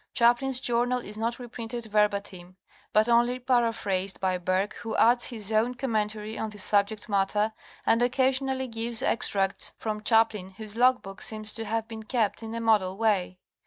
Chaplin's journal is not reprinted verbatim but only paraphrased by Bergh who adds his own commentary on the subject matter, and occasionally gives extracts from Chaplin whose logbook seems to have been kept in a model way.